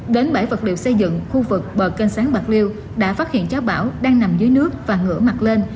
đến bãi vật liệu xây dựng khu vực bờ kênh sáng bạc liêu đã phát hiện cháu bảo đang nằm dưới nước và ngửa mặt lên